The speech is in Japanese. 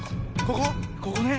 ここね。